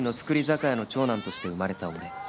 酒屋の長男として生まれた俺